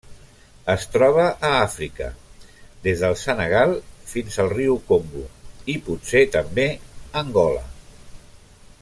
Es troba a Àfrica: des del Senegal fins al riu Congo i, potser també, Angola.